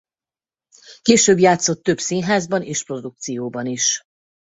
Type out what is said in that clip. Később játszott több színházban és produkcióban is.